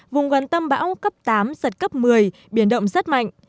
vùng gần tâm bão cấp tám giật cấp một mươi biển động rất mạnh